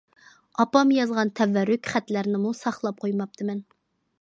ئاپام يازغان تەۋەررۈك خەتلەرنىمۇ ساقلاپ قويماپتىمەن.